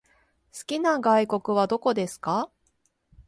好きな外国はどこですか？